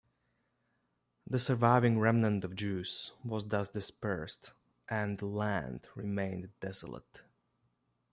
The surviving remnant of Jews was thus dispersed and the land remained desolate.